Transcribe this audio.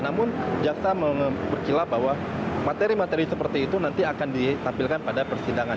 namun jaksa berkilap bahwa materi materi seperti itu nanti akan ditampilkan pada persidangan